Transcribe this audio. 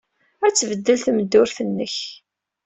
Ad tbeddel tmeddurt-nnek.